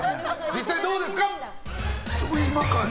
実際どうですか？